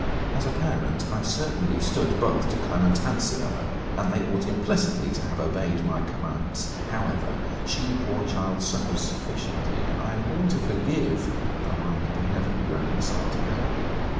As a parent I certainly stood both to Clement and Sibella, and they ought implicitly to have obeyed my commands. However, she poor child suffers sufficiently, and I am willing to forgive though I can never be reconciled to her.